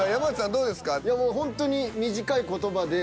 どうですか？